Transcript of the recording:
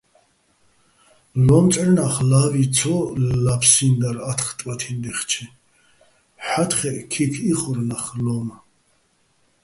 ლო́მწვჵერნა́ხ ლავი ცო ლაფსინდარ ათხ ტბათი́ნი̆ დაჲხჩე, ჰ̦ა́თხეჸ ქიქ იხორ ნახ ლო́უმო̆.